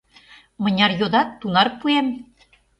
Мыняр йодат, тунар пуэм...